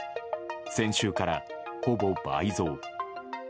先週から、ほぼ倍増。